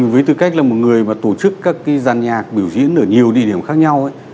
với tư cách là một người mà tổ chức các cái dàn nhạc biểu diễn ở nhiều địa điểm khác nhau ấy